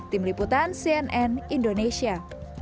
tim liputan cnn indonesia